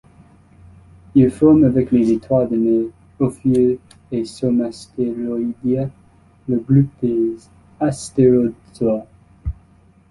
Ils forment avec les étoiles de mer, ophiures et Somasteroidea le groupe des Asterozoa.